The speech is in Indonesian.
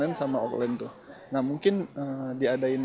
karena vraag saya berbaring widencity